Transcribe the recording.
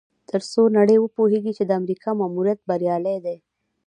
تر څو نړۍ وپوهیږي چې د امریکا ماموریت بریالی دی.